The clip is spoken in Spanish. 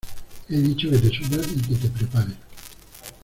he dicho que te subas y que te prepares.